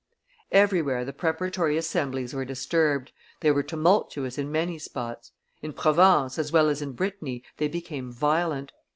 Everywhere the preparatory assemblies were disturbed, they were tumultuous in many spots; in Provence, as well as in Brittany, they became violent.